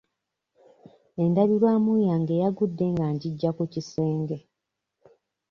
Endabirwamu yange yagudde nga ngiggya ku kisenge.